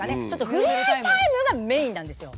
ふれあいタイムがメインなんですよ。